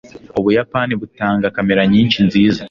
Ubuyapani butanga kamera nyinshi nziza